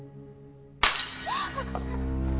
あっ。